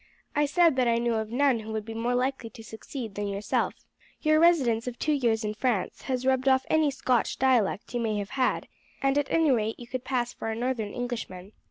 I said that I knew of none who would be more likely to succeed than yourself. Your residence of two years in France has rubbed off any Scotch dialect you may have had, and at any rate you could pass for a northern Englishman.